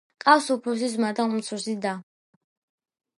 ჰყავს უფროსი ძმა და უმცროსი და.